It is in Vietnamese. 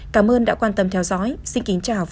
cảm ơn đã quan tâm theo dõi xin kính chào và hẹn gặp